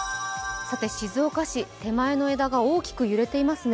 静岡市、手前の枝が大きく揺れていますね。